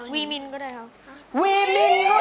วีมินก็ได้ครับ